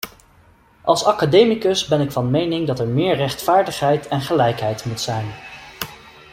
Als academicus ben ik van mening dat er meer rechtvaardigheid en gelijkheid moet zijn.